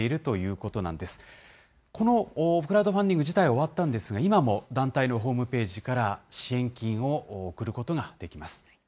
このクラウドファンディング自体は終わったんですが、今も団体のホームページから支援金を送ることができます。